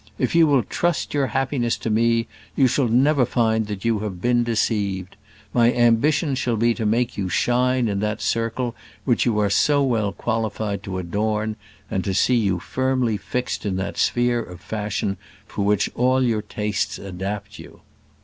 if you will trust your happiness to me you shall never find that you have been deceived. My ambition shall be to make you shine in that circle which you are so well qualified to adorn, and to see you firmly fixed in that sphere of fashion for which all your tastes adapt you.